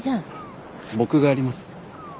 僕がやります。